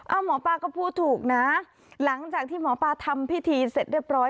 หมอปลาก็พูดถูกนะหลังจากที่หมอปลาทำพิธีเสร็จเรียบร้อย